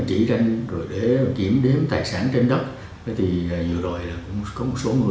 cho nên là lực lượng phải ngồi chờ